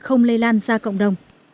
không lây lan ra cộng đồng